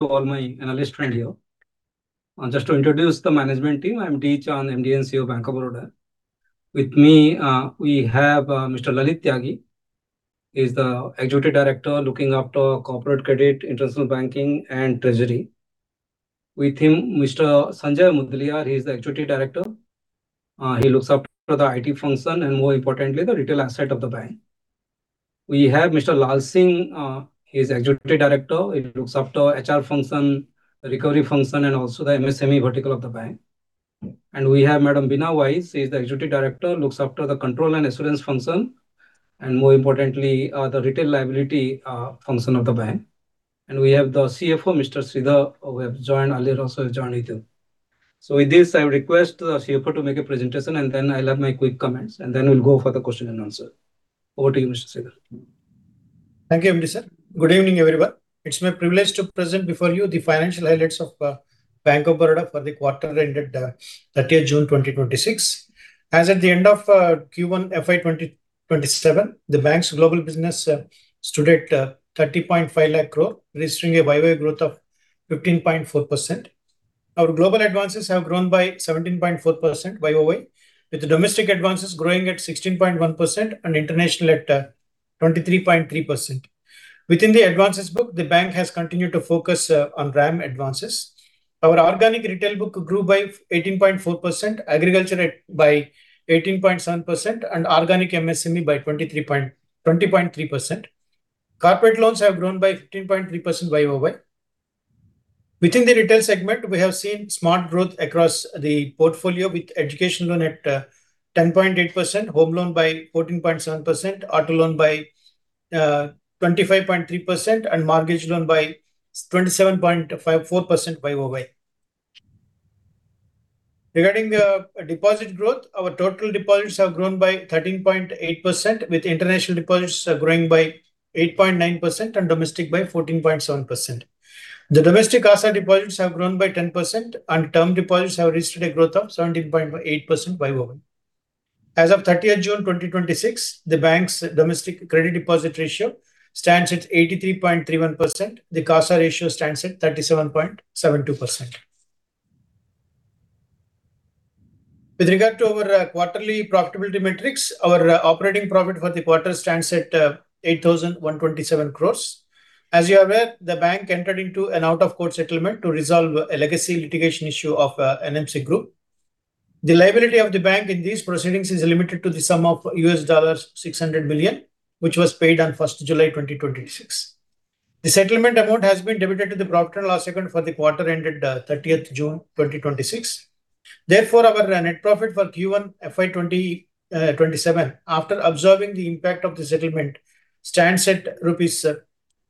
To all my analyst friends here. Just to introduce the management team, I'm Debadatta Chand, MD and CEO, Bank of Baroda. With me, we have Mr. Lalit Tyagi. He's the Executive Director looking after corporate credit, international banking, and treasury. With him, Mr. Sanjay Mudaliar, he's the Executive Director. He looks after the IT function and more importantly, the retail asset of the bank. We have Mr. Lal Singh, he's Executive Director. He looks after HR function, the recovery function, and also the MSME vertical of the bank. We have Madam Beena Vaheed, she's the Executive Director, looks after the control and assurance function, and more importantly, the retail liability function of the bank. We have the CFO, Mr. Sridhar, who have joined earlier also, has joined with him. With this, I would request the CFO to make a presentation, I'll have my quick comments, we'll go for the question and answer. Over to you, Mr. Sridhar. Thank you, MD sir. Good evening, everyone. It's my privilege to present before you the financial highlights of Bank of Baroda for the quarter that ended 30th June 2026. As at the end of Q1 FY 2027, the Bank's global business stood at 30.5 lakh crore, registering a YoY growth of 15.4%. Our global advances have grown by 17.4% YoY, with domestic advances growing at 16.1% and international at 23.3%. Within the advances book, the bank has continued to focus on RAM advances. Our organic retail book grew by 18.4%, agriculture by 18.7%, and organic MSME by 20.3%. Corporate loans have grown by 15.3% YoY. Within the retail segment, we have seen smart growth across the portfolio with education loan at 10.8%, home loan by 14.7%, auto loan by 25.3%, and mortgage loan by 27.4% YoY. Regarding the deposit growth, our total deposits have grown by 13.8%, with international deposits growing by 8.9% and domestic by 14.7%. The domestic asset deposits have grown by 10%, and term deposits have registered a growth of 17.8% YoY. As of 30th June 2026, the Bank's domestic credit deposit ratio stands at 83.31%. The CASA ratio stands at 37.72%. With regard to our quarterly profitability metrics, our operating profit for the quarter stands at 8,127 crore. As you are aware, the Bank entered into an out-of-court settlement to resolve a legacy litigation issue of NMC Group. The liability of the Bank in these proceedings is limited to the sum of $600 million, which was paid on 1st July 2026. The settlement amount has been debited to the profit and loss account for the quarter ended 30th June 2026. Our net profit for Q1 FY 2027, after absorbing the impact of the settlement, stands at rupees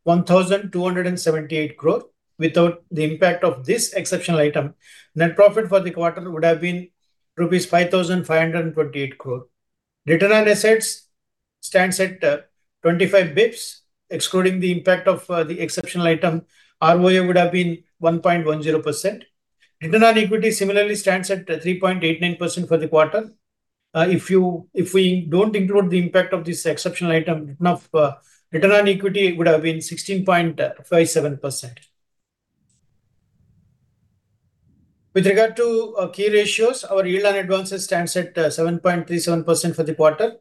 1,278 crore. Without the impact of this exceptional item, net profit for the quarter would have been rupees 5,528 crore. Return on assets stands at 25 basis points, excluding the impact of the exceptional item, ROA would have been 1.10%. Return on equity similarly stands at 3.89% for the quarter. If we don't include the impact of this exceptional item, return on equity would have been 16.57%. With regard to key ratios, our yield on advances stands at 7.37% for the quarter.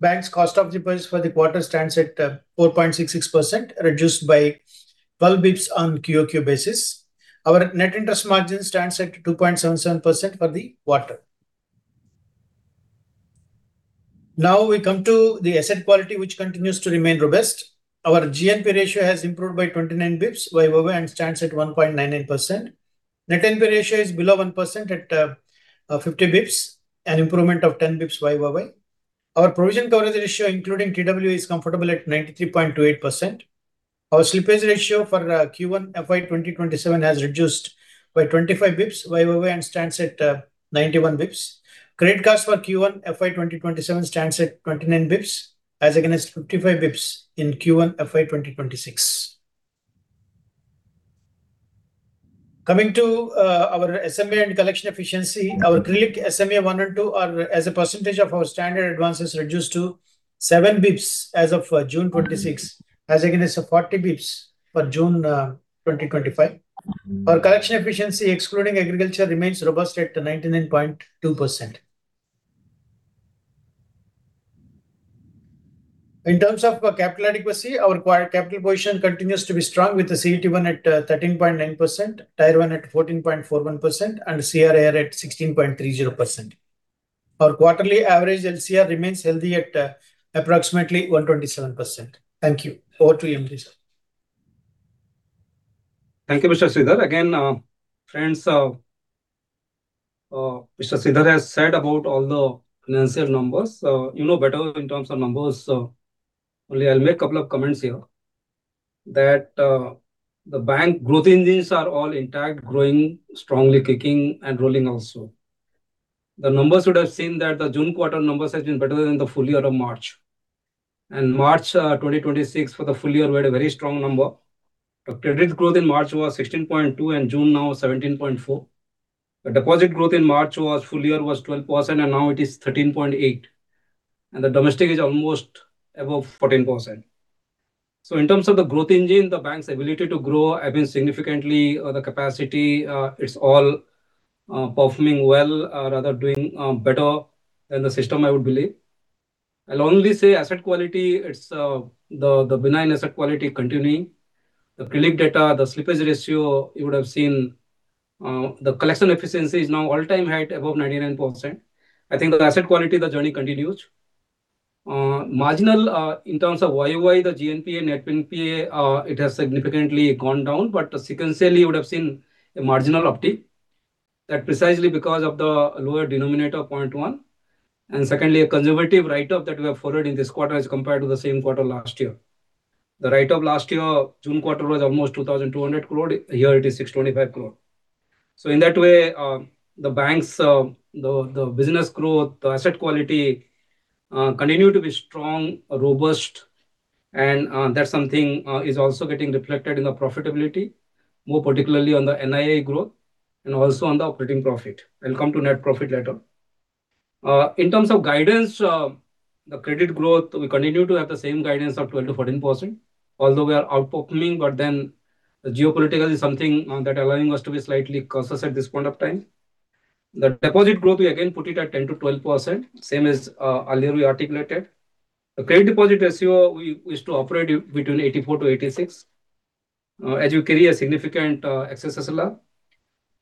Bank's cost of deposits for the quarter stands at 4.66%, reduced by 12 basis points on QoQ basis. We come to the asset quality, which continues to remain robust. Our GNPA ratio has improved by 29 basis points year-over-year and stands at 1.99%. Net NPA ratio is below 1% at 50 basis points, an improvement of 10 basis points year-over-year. Our provision coverage ratio including TWO is comfortable at 93.28%. Our slippage ratio for Q1 FY 2027 has reduced by 25 basis points year-over-year and stands at 91 basis points. Credit cost for Q1 FY 2027 stands at 29 basis points as against 55 basis points in Q1 FY 2026. Coming to our SMA and collection efficiency, our aggregate SMA 1 and 2 are as a percentage of our standard advances reduced to 7 basis points as of June 2026, as against 40 basis points for June 2025. Our collection efficiency excluding agriculture remains robust at 99.2%. In terms of capital adequacy, our capital position continues to be strong with the CET1 at 13.9%, Tier 1 at 14.41%, and CRAR at 16.30%. Our quarterly average LCR remains healthy at approximately 127%. Thank you. Over to you, MD Sir. Thank you, Mr. Sridhar. Friends, Mr. Sridhar has said about all the financial numbers. You know better in terms of numbers, only I'll make a couple of comments here that the Bank growth engines are all intact, growing, strongly kicking and rolling also. The numbers would have seen that the June quarter numbers has been better than the full year of March. March 2026 for the full year, we had a very strong number. The credit growth in March was 16.2% and June now 17.4%. The deposit growth in March was full year was 12%, and now it is 13.8%. The domestic is almost above 14%. In terms of the growth engine, the Bank's ability to grow have been significantly, or the capacity, it's all performing well or rather doing better than the system, I would believe. I'll only say asset quality. It's the benign asset quality continuing. The aggregate data, the slippage ratio, you would have seen the collection efficiency is now all-time high at above 99%. I think the asset quality, the journey continues. Marginal, in terms of YoY, the GNPA, NNPA, it has significantly gone down. Sequentially, you would've seen a marginal uptick. That precisely because of the lower denominator of 0.1 and secondly, a conservative write-off that we have forwarded in this quarter as compared to the same quarter last year. The write-off last year, June quarter, was almost 2,200 crore. Here it is 625 crore. In that way, the business growth, the asset quality continue to be strong, robust, and that's something is also getting reflected in the profitability, more particularly on the NII growth and also on the operating profit. I'll come to net profit later. In terms of guidance, the credit growth, we continue to have the same guidance of 12%-14%, although we are outperforming, the geopolitical is something that allowing us to be slightly cautious at this point of time. The deposit growth, we again put it at 10%-12%, same as earlier we articulated. The credit deposit ratio we used to operate between 84-86, as you carry a significant excess SLR.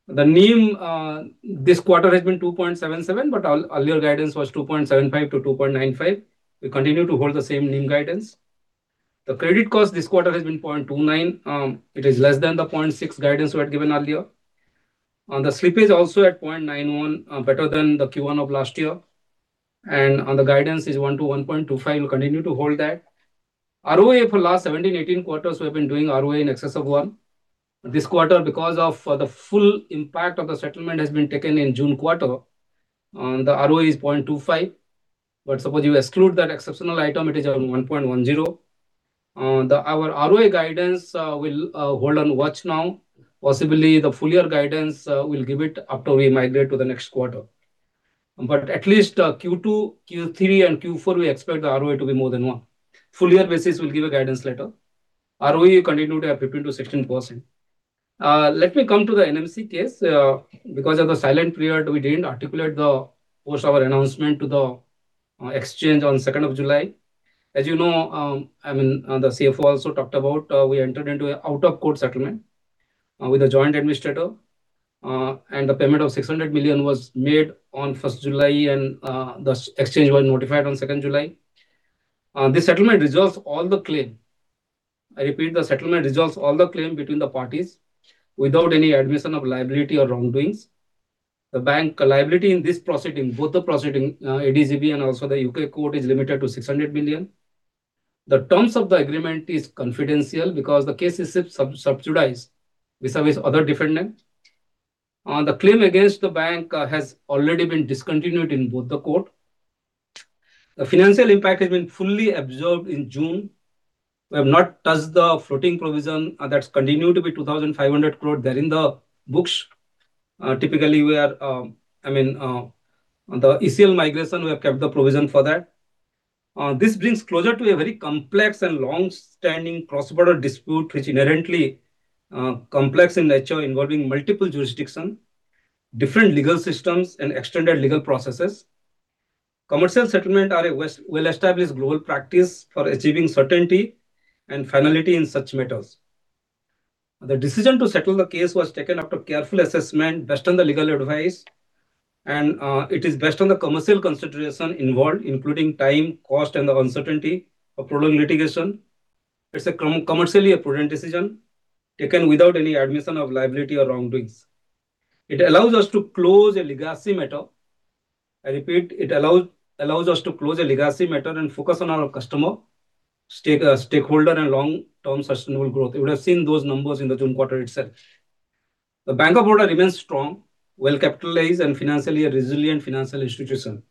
The NIM this quarter has been 2.77. Our earlier guidance was 2.75-2.95. We continue to hold the same NIM guidance. The credit cost this quarter has been 0.29. It is less than the 0.6 guidance we had given earlier. On the slippage also at 0.91, better than the Q1 of last year. On the guidance is 1%-1.25%, we'll continue to hold that. ROA for last 17, 18 quarters, we have been doing ROA in excess of one. This quarter, because of the full impact of the settlement has been taken in June quarter, the ROE is 0.25. Suppose you exclude that exceptional item, it is around 1.10. Our ROA guidance will hold and watch now, possibly the full year guidance, we'll give it after we migrate to the next quarter. At least, Q2, Q3, and Q4, we expect the ROA to be more than one. Full year basis, we'll give a guidance later. ROE continue to have 15%-16%. Let me come to the NMC case. Because of the silent period, we didn't articulate the post of our announcement to the exchange on 2nd of July. As you know, the CFO also talked about, we entered into an out-of-court settlement with a joint administrator. The payment of $600 million was made on 1st July, and the exchange was notified on 2nd July. This settlement resolves all the claim. I repeat, the settlement resolves all the claim between the parties without any admission of liability or wrongdoings. The bank liability in this proceeding, both the proceeding, ADGM and also the U.K. court, is limited to $600 million. The terms of the agreement is confidential because the case is subsidized vis-à-vis other defendant. The claim against the bank has already been discontinued in both the court. The financial impact has been fully absorbed in June. We have not touched the floating provision that's continued to be 2,500 crore there in the books. Typically, the ECL migration, we have kept the provision for that. This brings closure to a very complex and longstanding cross-border dispute, which inherently complex in nature, involving multiple jurisdiction, different legal systems, and extended legal processes. Commercial settlement are a well-established global practice for achieving certainty and finality in such matters. The decision to settle the case was taken after careful assessment based on the legal advice, and it is based on the commercial consideration involved, including time, cost, and the uncertainty of prolonged litigation. It's a commercially appropriate decision taken without any admission of liability or wrongdoings. It allows us to close a legacy matter. I repeat, it allows us to close a legacy matter and focus on our customer stakeholder and long-term sustainable growth. You would have seen those numbers in the June quarter itself. The Bank of Baroda remains strong, well-capitalized, and financially a resilient financial institution.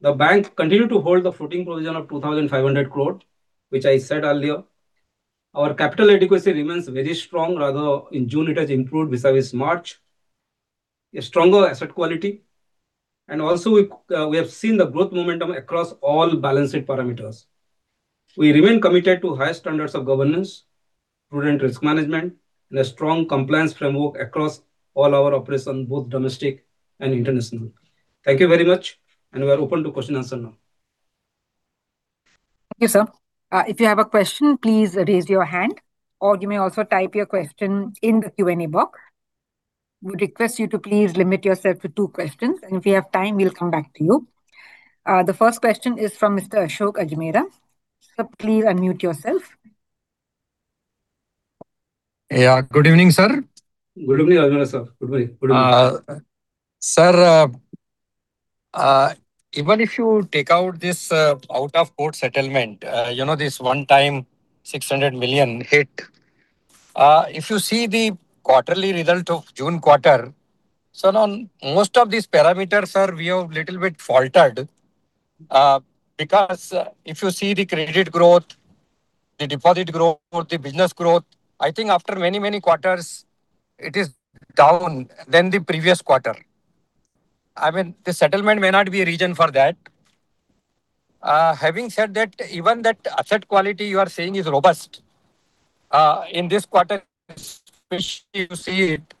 The bank continued to hold the floating provision of 2,500 crore, which I said earlier. Our capital adequacy remains very strong. Rather, in June it has improved vis-à-vis March. A stronger asset quality. Also, we have seen the growth momentum across all balance sheet parameters. We remain committed to high standards of governance, prudent risk management, and a strong compliance framework across all our operations, both domestic and international. Thank you very much, and we are open to question-and-answer now. Thank you, sir. If you have a question, please raise your hand, or you may also type your question in the Q&A box. We request you to please limit yourself to two questions, and if we have time, we'll come back to you. The first question is from Mr. Ashok Ajmera. Sir, please unmute yourself. Yeah. Good evening, sir. Good evening, Ajmera, sir. Good morning. Good evening. Sir, even if you take out this out-of-court settlement, this one-time $600 million hit. If you see the quarterly result of June quarter, now most of these parameters, sir, we have little bit faltered. Because if you see the deposit growth, the business growth, I think after many, many quarters, it is down than the previous quarter. The settlement may not be a reason for that. Having said that, even that asset quality you are saying is robust. In this quarter, especially you see it,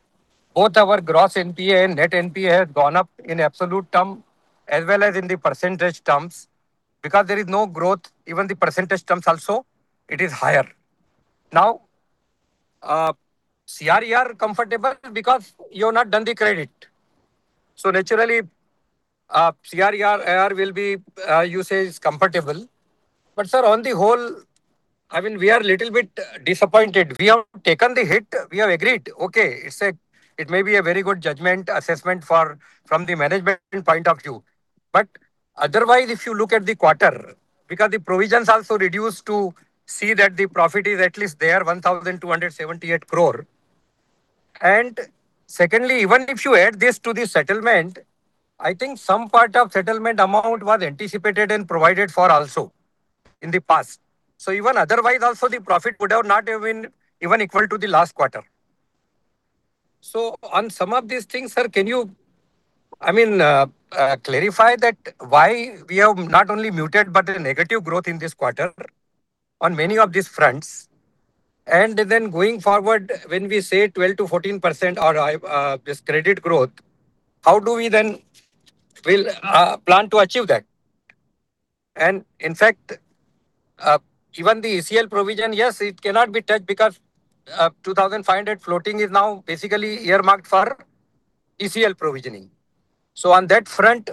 both our gross NPA and net NPA has gone up in absolute term as well as in the percentage terms. Because there is no growth, even the percentage terms also, it is higher. CRAR comfortable because you're not done the credit. Naturally, CRAR will be, you say, is comfortable. Sir, on the whole, we are little bit disappointed. We have taken the hit. We have agreed. Okay, it may be a very good judgment assessment from the management point of view. Otherwise, if you look at the quarter, because the provisions also reduced to see that the profit is at least there, 1,278 crore. Secondly, even if you add this to the settlement, I think some part of settlement amount was anticipated and provided for also in the past. Even otherwise also, the profit would have not even equal to the last quarter. On some of these things, sir, can you clarify that why we have not only muted but a negative growth in this quarter on many of these fronts? Then going forward, when we say 12%-14% or this credit growth, how do we then will plan to achieve that? In fact, even the ECL provision, yes, it cannot be touched because 2,500 floating is now basically earmarked for ECL provisioning. On that front,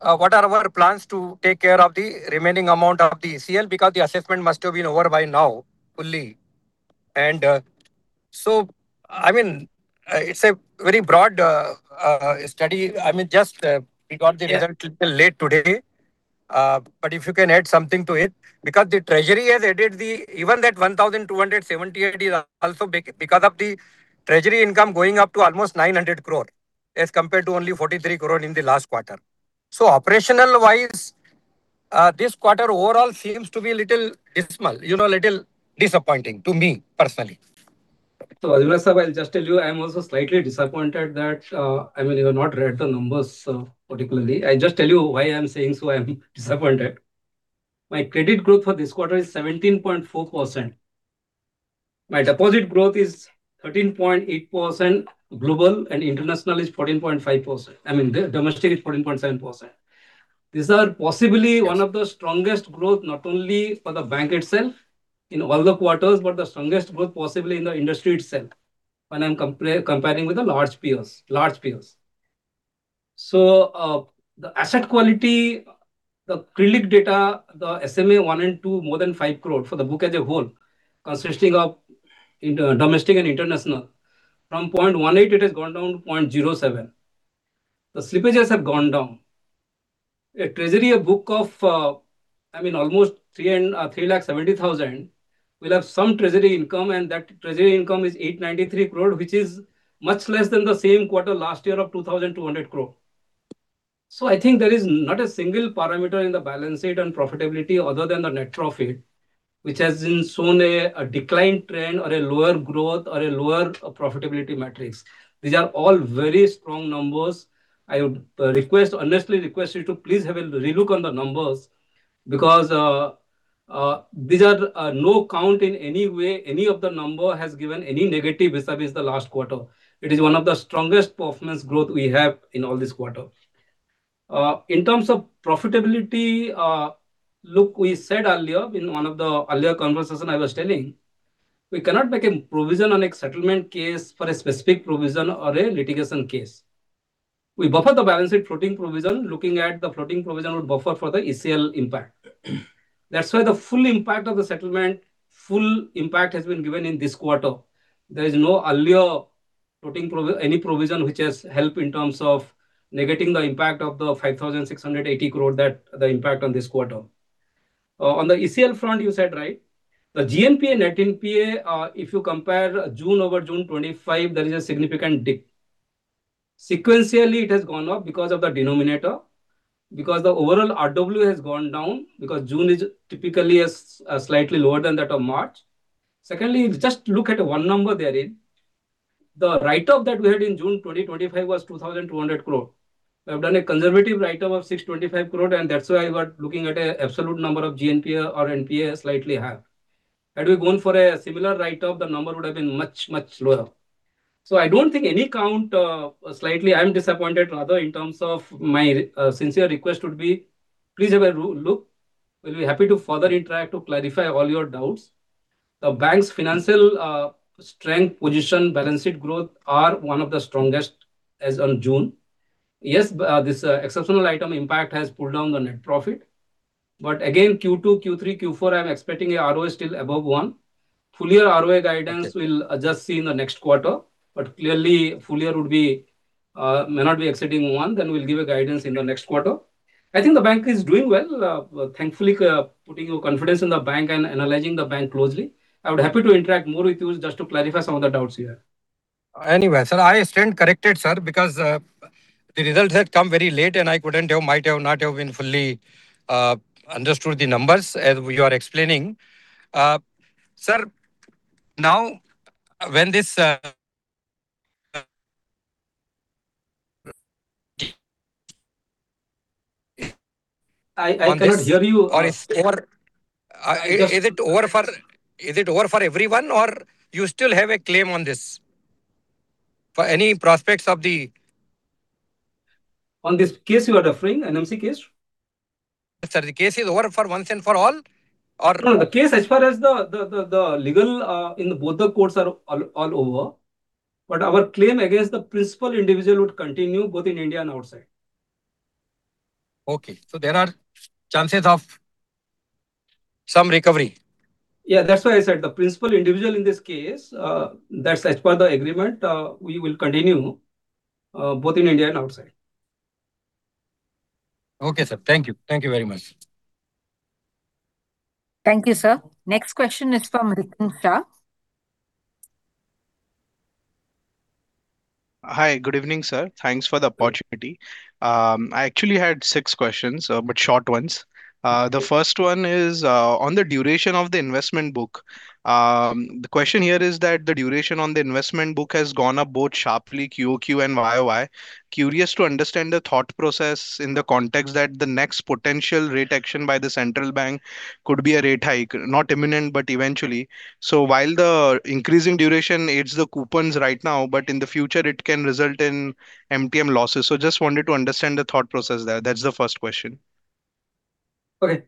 what are our plans to take care of the remaining amount of the ECL, because the assessment must have been over by now fully. It's a very broad study. The result little late today. If you can add something to it, because the treasury has added the, even that 1,278 crore is also because of the treasury income going up to almost 900 crore as compared to only 43 crore in the last quarter. Operational wise, this quarter overall seems to be a little dismal, a little disappointing to me personally. Sir, I'll just tell you, I'm also slightly disappointed that, you've not read the numbers particularly. I just tell you why I'm saying so I'm disappointed. My credit growth for this quarter is 17.4%. My deposit growth is 13.8% global, and international is 14.5%. I mean, domestic is 14.7%. These are possibly one of the strongest growth, not only for the bank itself in all the quarters, but the strongest growth possibly in the industry itself, when I'm comparing with the large peers. The asset quality, the aggregate data, the SMA 1 and 2, more than 5 crore for the book as a whole, consisting of domestic and international. From 0.18 it has gone down to 0.07. The slippages have gone down. A treasury, a book of almost 3,070,000 will have some treasury income, and that treasury income is 893 crore, which is much less than the same quarter last year of 2,200 crore. I think there is not a single parameter in the balance sheet and profitability other than the net profit, which has then shown a decline trend or a lower growth or a lower profitability matrix. These are all very strong numbers. I would honestly request you to please have a relook on the numbers because these are no count in any way, any of the number has given any negative vis-à-vis the last quarter. It is one of the strongest performance growth we have in all this quarter. In terms of profitability, look, we said earlier in one of the earlier conversation I was telling, we cannot make a provision on a settlement case for a specific provision or a litigation case. We buffer the balance sheet floating provision, looking at the floating provision would buffer for the ECL impact. That's why the full impact of the settlement, full impact has been given in this quarter. There is no earlier any provision which has helped in terms of negating the impact of the 5,680 crore, the impact on this quarter. On the ECL front, you said right. The GNPA, NNPA, if you compare June over June 2025, there is a significant dip. Sequentially, it has gone up because of the denominator, because the overall RWA has gone down, because June is typically slightly lower than that of March. Secondly, just look at one number therein. The write-off that we had in June 2025 was 2,200 crore. We have done a conservative write-off of 625 crore, and that's why we are looking at a absolute number of GNPA or NPA slightly half. Had we gone for a similar write-off, the number would have been much, much lower. I don't think any count slightly I'm disappointed rather in terms of my sincere request would be, please have a look. We'll be happy to further interact to clarify all your doubts. The bank's financial strength, position, balance sheet growth are one of the strongest as on June. Yes, this exceptional item impact has pulled down the net profit. Again, Q2, Q3, Q4, I'm expecting a ROA still above one. Full year ROA guidance we'll just see in the next quarter. Clearly full year may not be exceeding one, then we'll give a guidance in the next quarter. I think the bank is doing well. Thankfully, putting your confidence in the bank and analyzing the bank closely. I would happy to interact more with you just to clarify some of the doubts you have. Sir, I stand corrected, sir, because the results had come very late, and I might not have fully understood the numbers as you are explaining. Sir, now when this- I cannot hear you Is it over for everyone, or you still have a claim on this? On this case you are referring, an NMC case? Sir, the case is over for once and for all? No, the case as far as the legal in both the courts are all over. Our claim against the principal individual would continue both in India and outside. Okay. There are chances of some recovery. Yeah. That is why I said the principal individual in this case, that is as per the agreement, we will continue both in India and outside. Okay, sir. Thank you. Thank you very much. Thank you, sir. Next question is from Ritesh Shah. Hi. Good evening, sir. Thanks for the opportunity. I actually had six questions, but short ones. The first one is, on the duration of the investment book. The question here is that the duration on the investment book has gone up both sharply QoQ and YoY. Curious to understand the thought process in the context that the next potential rate action by the central bank could be a rate hike, not imminent, but eventually. While the increase in duration aids the coupons right now, but in the future it can result in MTM losses. Just wanted to understand the thought process there. That's the first question.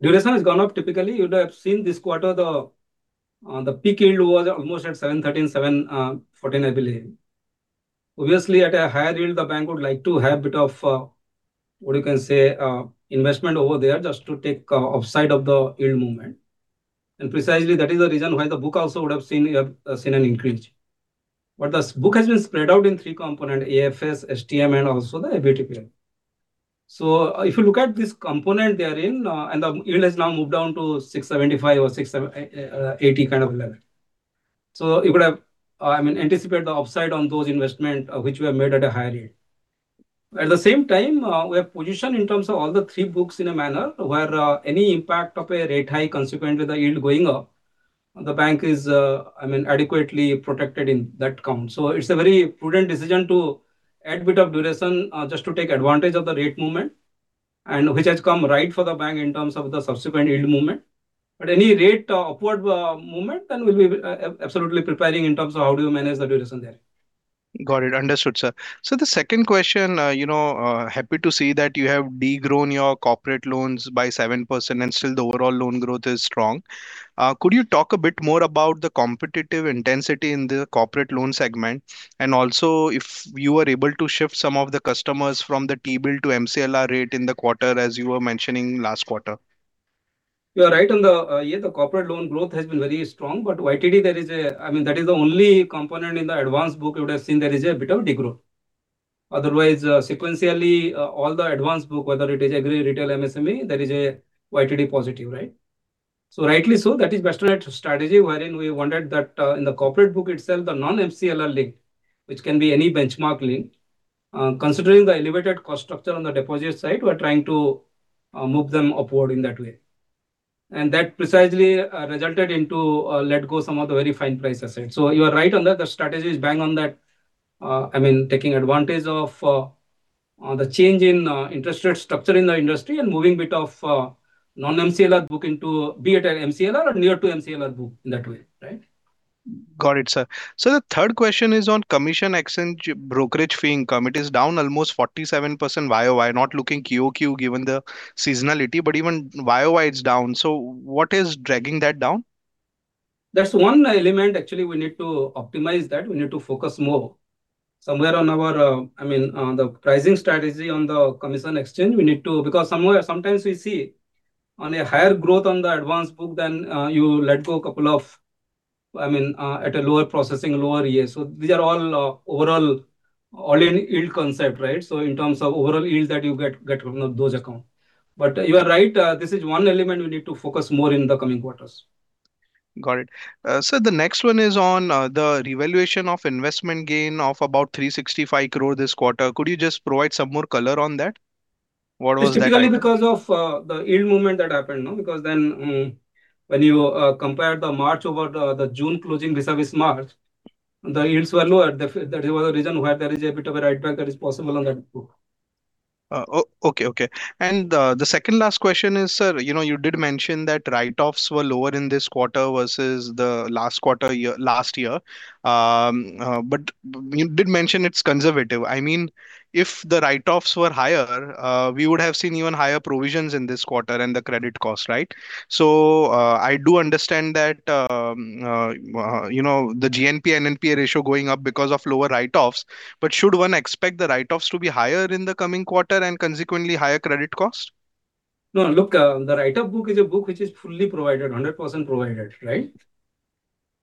Duration has gone up. Typically, you would have seen this quarter, the peak yield was almost at 713, 714, I believe. Obviously, at a higher yield, the bank would like to have a bit of, what you can say, investment over there just to take upside of the yield movement. Precisely, that is the reason why the book also would have seen an increase. The book has been spread out in three component, AFS, HTM, and also the FVTPL. If you look at this component they are in, and the yield has now moved down to 675 or 680 kind of level. You could anticipate the upside on those investment which we have made at a higher rate. At the same time, we have positioned in terms of all the three books in a manner where any impact of a rate hike consequent with the yield going up, the bank is adequately protected in that count. It's a very prudent decision to add bit of duration, just to take advantage of the rate movement, and which has come right for the bank in terms of the subsequent yield movement. Any rate upward movement, then we'll be absolutely preparing in terms of how do you manage the duration there. Got it. Understood, sir. The second question, happy to see that you have de-grown your corporate loans by 7% and still the overall loan growth is strong. Could you talk a bit more about the competitive intensity in the corporate loan segment? Also if you were able to shift some of the customers from the T-bill to MCLR rate in the quarter as you were mentioning last quarter. You are right on the, yeah, the corporate loan growth has been very strong, YTD, that is the only component in the advance book you would have seen there is a bit of degrowth. Otherwise, sequentially, all the advance book, whether it is agri, retail, MSME, there is a YTD positive, right? Rightly so, that is best strategy wherein we wanted that, in the corporate book itself, the non-MCLR link, which can be any benchmark link. Considering the elevated cost structure on the deposit side, we're trying to move them upward in that way. That precisely resulted into let go some of the very fine price asset. You are right on that. The strategy is bang on that, taking advantage of the change in interest rate structure in the industry and moving bit of non-MCLR book into be it an MCLR or near to MCLR book in that way, right. Got it, sir. The third question is on commission exchange brokerage fee income. It is down almost 47% YoY, not looking QoQ given the seasonality, but even YoY it's down. What is dragging that down? That's one element actually we need to optimize that, we need to focus more. Somewhere on the pricing strategy on the commission exchange, because sometimes we see on a higher growth on the advance book than you let go couple of at a lower processing, lower yield. These are all overall all-in yield concept, right? In terms of overall yields that you get rid of those account. You are right, this is one element we need to focus more in the coming quarters. Got it. Sir, the next one is on the revaluation of investment gain of about 365 crore this quarter. Could you just provide some more color on that? What was that? Specifically because of the yield movement that happened, no. Because when you compare the March over the June closing vis-à-vis March, the yields were lower. That was the reason why there is a bit of a write-back that is possible on that book. Okay. The second last question is, sir, you did mention that write-offs were lower in this quarter versus the last quarter last year. You did mention it's conservative. If the write-offs were higher, we would have seen even higher provisions in this quarter and the credit cost, right? I do understand that the GNPA, NNPA ratio going up because of lower write-offs. Should one expect the write-offs to be higher in the coming quarter and consequently higher credit cost? No, look, the write-off book is a book which is fully provided, 100% provided, right?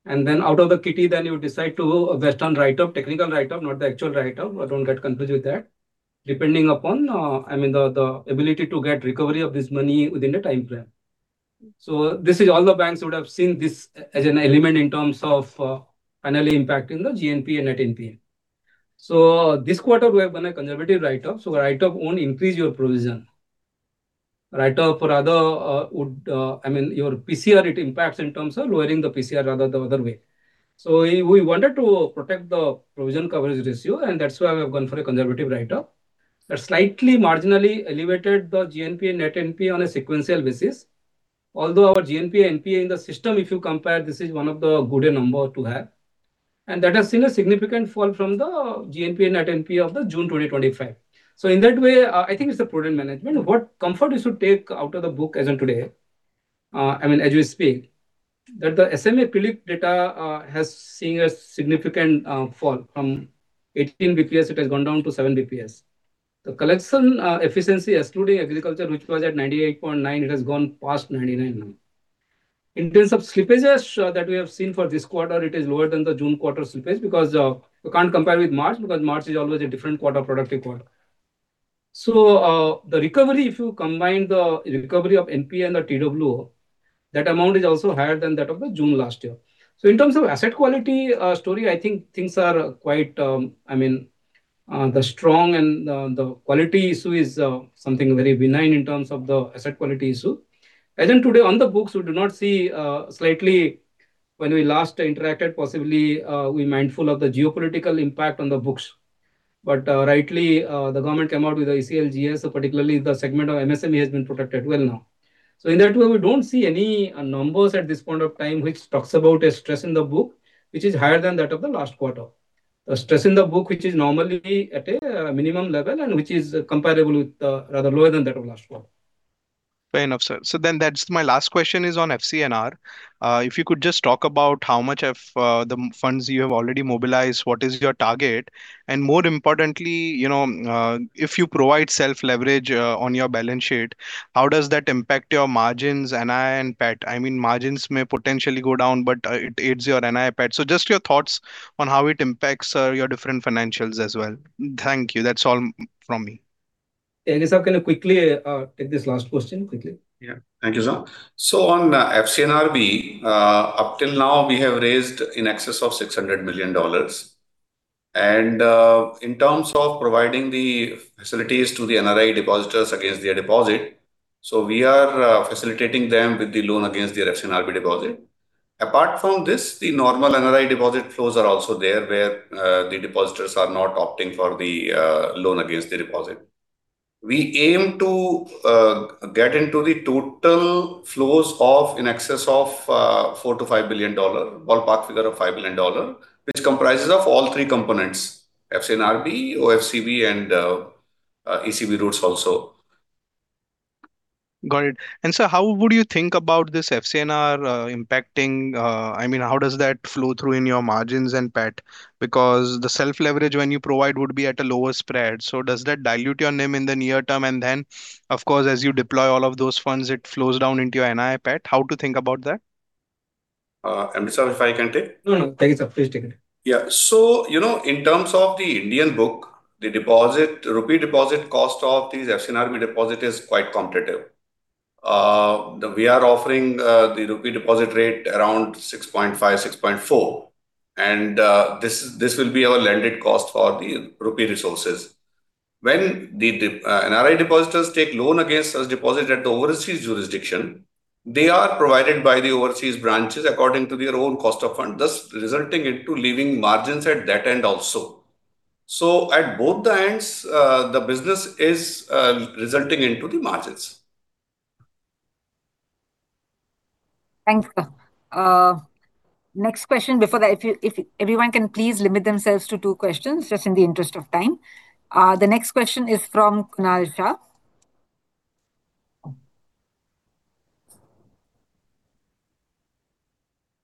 Out of the kitty, then you decide to vest on write-off, Technical Write-Off, not the actual write-off. Don't get confused with that. Depending upon the ability to get recovery of this money within the time frame. All the banks would have seen this as an element in terms of finally impacting the GNPA and net NPA. This quarter we have done a conservative write-off, write-off won't increase your provision. Your PCR, it impacts in terms of lowering the PCR rather than the other way. We wanted to protect the provision coverage ratio, and that's why we have gone for a conservative write-off. That slightly marginally elevated the GNPA and net NPA on a sequential basis. Although our GNPA NNPA in the system, if you compare, this is one of the good number to have, and that has seen a significant fall from the GNPA and NNPA of the June 2025. I think it's a prudent management. What comfort you should take out of the book as on today, as we speak, that the SMA slip data has seen a significant fall. From 18 basis points, it has gone down to 7 basis points. The collection efficiency, excluding agriculture, which was at 98.9%, it has gone past 99% now. In terms of slippages that we have seen for this quarter, it is lower than the June quarter slippage, because you can't compare with March, because March is always a different quarter, productive quarter. The recovery, if you combine the recovery of NNPA and the TWO, that amount is also higher than that of the June last year. In terms of asset quality story, I think things are quite strong, and the quality issue is something very benign in terms of the asset quality issue. As in today, on the books, we do not see slightly when we last interacted, possibly, we mindful of the geopolitical impact on the books. Rightly, the government came out with the ECLGS, so particularly the segment of MSME has been protected well now. In that way, we don't see any numbers at this point of time which talks about a stress in the book, which is higher than that of the last quarter. The stress in the book, which is normally at a minimum level, and which is comparable with, rather lower than that of last quarter. Fair enough, sir. That's my last question is on FCNR. If you could just talk about how much of the funds you have already mobilized, what is your target? More importantly, if you provide self-leverage on your balance sheet, how does that impact your margins, NII and PAT? Margins may potentially go down, but it aids your NII and PAT. Just your thoughts on how it impacts your different financials as well. Thank you. That's all from me. Yogesh, can you quickly take this last question? Thank you, sir. On FCNR, up till now, we have raised in excess of $600 million. In terms of providing the facilities to the NRI depositors against their deposit, we are facilitating them with the loan against their FCNR deposit. Apart from this, the normal NRI deposit flows are also there, where the depositors are not opting for the loan against the deposit. We aim to get into the total flows in excess of $4 billion-$5 billion, ballpark figure of $5 billion, which comprises of all three components, FCNR, FCCB and ECB routes also. Got it. Sir, how would you think about this FCNR impacting? How does that flow through in your margins and PAT? Because the self-leverage when you provide would be at a lower spread. Does that dilute your NIM in the near term, and then of course, as you deploy all of those funds, it flows down into your NII, PAT? How to think about that? Amit sir, if I can take? No, no. Thank you, sir. Please take it. Yeah. In terms of the Indian book, the INR deposit cost of these FCNR deposit is quite competitive. We are offering the INR deposit rate around 6.5%, 6.4%. This will be our lended cost for the INR resources. When the NRI depositors take loan against such deposit at the overseas jurisdiction, they are provided by the overseas branches according to their own cost of fund, thus resulting into leaving margins at that end also. At both the ends, the business is resulting into the margins. Thanks. Next question. Before that, if everyone can please limit themselves to two questions, just in the interest of time. The next question is from Kunal Shah.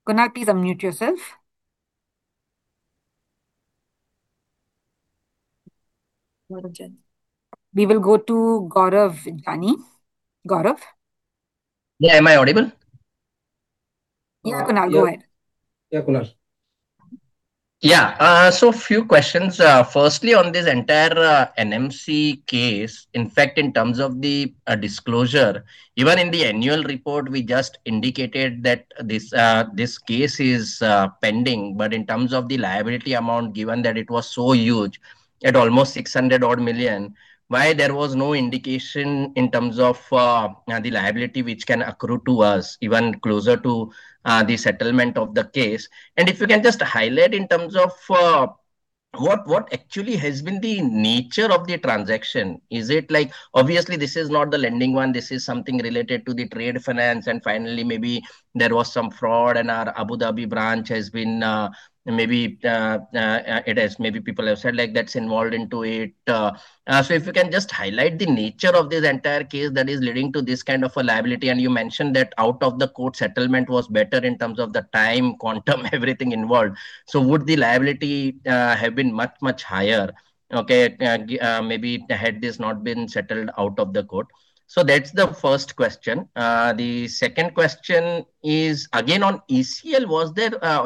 Kunal, please unmute yourself. We will go to Gaurav Jani. Gaurav? Yeah, am I audible? Yeah, Kunal, go ahead. Yeah, Kunal. Yeah. Few questions. Firstly, on this entire NMC case, in fact, in terms of the disclosure, even in the annual report, we just indicated that this case is pending, but in terms of the liability amount, given that it was so huge, at almost $600 million, why there was no indication in terms of the liability which can accrue to us, even closer to the settlement of the case? If you can just highlight in terms of what actually has been the nature of the transaction. Is it like Obviously, this is not the lending one, this is something related to the trade finance, and finally, maybe there was some fraud in our Abu Dhabi branch, has been Maybe people have said, like, that's involved into it. If you can just highlight the nature of this entire case that is leading to this kind of a liability. You mentioned that out of the court settlement was better in terms of the time, quantum, everything involved. Would the liability have been much, much higher, okay, maybe had this not been settled out of the court? That's the first question. The second question is, again, on ECL.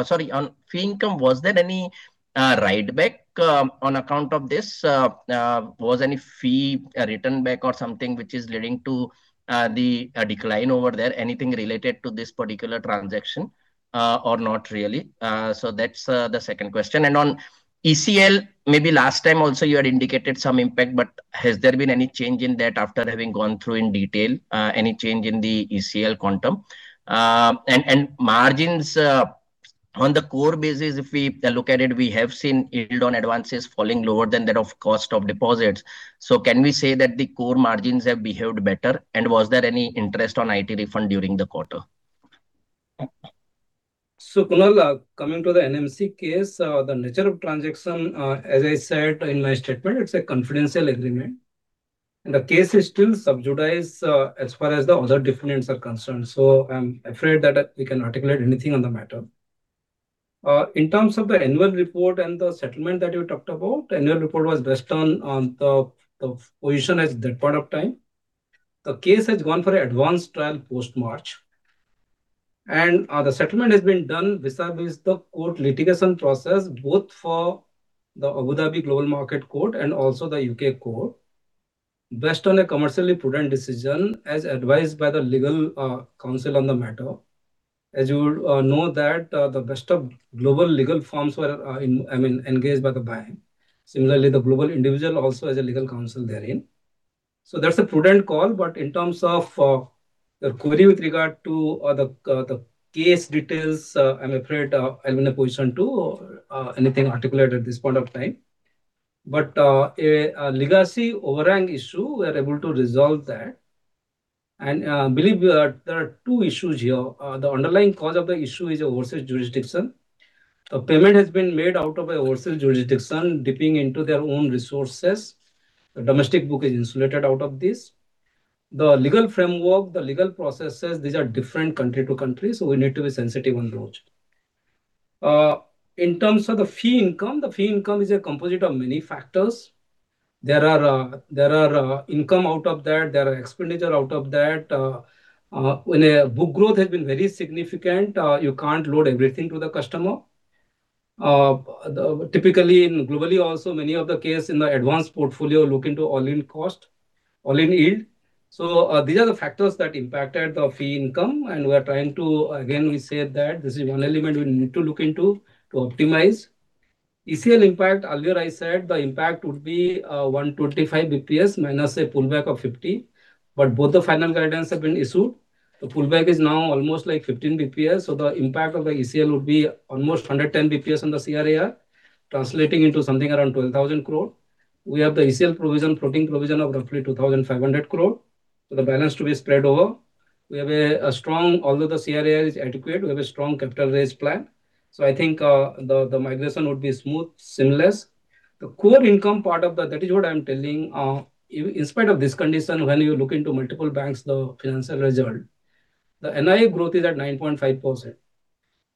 Sorry, on fee income, was there any writeback on account of this? Was any fee written back or something, which is leading to the decline over there? Anything related to this particular transaction or not really? That's the second question. On ECL, maybe last time also you had indicated some impact, but has there been any change in that after having gone through in detail, any change in the ECL quantum? Margins, on the core basis, if we look at it, we have seen yield on advances falling lower than that of cost of deposits. Can we say that the core margins have behaved better, and was there any interest on IT refund during the quarter? Kunal, coming to the NMC case, the nature of transaction, as I said in my statement, it's a confidential agreement, the case is still sub judice, as far as the other defendants are concerned. I'm afraid that we can't articulate anything on the matter. In terms of the annual report and the settlement that you talked about, annual report was based on the position at that point of time. The case has gone for advanced trial post-March, the settlement has been done vis-à-vis the court litigation process, both for the Abu Dhabi Global Market Court and also the U.K. court, based on a commercially prudent decision as advised by the legal counsel on the matter. As you would know that the best of global legal firms were engaged by the bank. Similarly, the global individual also has a legal counsel therein. That's a prudent call. In terms of your query with regard to the case details, I'm afraid I'm in a position to anything articulate at this point of time. A legacy overhang issue, we are able to resolve that. Believe me that there are two issues here. The underlying cause of the issue is overseas jurisdiction. A payment has been made out of a overseas jurisdiction, dipping into their own resources. The domestic book is insulated out of this. The legal framework, the legal processes, these are different country to country, we need to be sensitive on those. In terms of the fee income, the fee income is a composite of many factors. There are income out of that, there are expenditure out of that. When a book growth has been very significant, you can't load everything to the customer. Typically, globally also, many of the case in the advanced portfolio look into all-in cost, all-in yield. These are the factors that impacted the fee income, we are trying to, again, we said that this is one element we need to look into to optimize. ECL impact, earlier I said the impact would be 125 basis points minus a pullback of 50 basis points, both the final guidance have been issued. The pullback is now almost 15 basis points, the impact of the ECL would be almost 110 basis points on the CRAR, translating into something around 12,000 crore. We have the ECL provision, floating provision of roughly 2,500 crore, the balance to be spread over. We have a strong, although the CRAR is adequate, we have a strong capital raise plan. I think, the migration would be smooth, seamless. The core income part of that is what I'm telling. In spite of this condition, when you look into multiple banks, the financial result, the NII growth is at 9.5%.